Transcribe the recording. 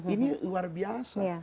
ini luar biasa